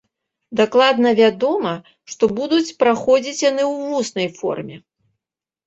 Дакладна вядома, што будуць праходзіць яны ў вуснай форме.